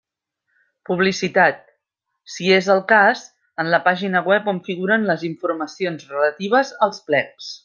Publicitat: si és el cas, en la pàgina web on figuren les informacions relatives als plecs.